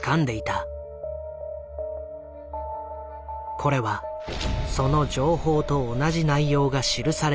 これはその情報と同じ内容が記されたリスト。